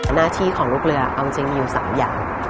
หน้าที่ของลูกเรือเอาจริงมีอยู่๓อย่าง